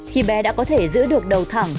khi bé đã có thể giữ được đầu thẳng